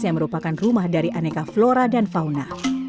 yang merupakan rumah dari aneka flora dan fauna